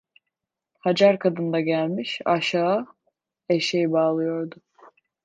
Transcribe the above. Hacer kadın da gelmiş, aşağıya eşeği bağlıyordu.